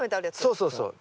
そうそうそう。